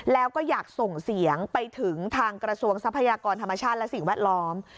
แล้วก็อยากส่งเสียงไปถึงทางกระทรวงทรัพยากรธรรมชาติและสิ่งแวดล้อม